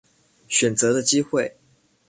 选择的机会